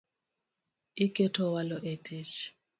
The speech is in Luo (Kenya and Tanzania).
Iketo walo e tich